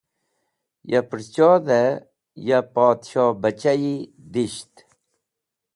Ya pũrchodhe ya Podshohbachayi disht.